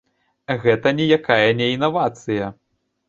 Гэта ніякая не інавацыя!